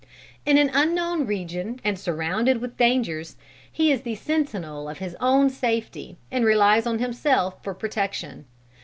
"In an unknown region and surrounded with dangers, he is the sentinel of his own safety and relies on himself for protection.